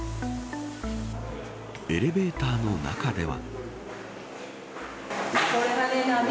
エレベーターの中では。